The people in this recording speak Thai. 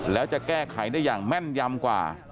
แล้วจะแก้ไขได้อย่างแม่นยำกว่า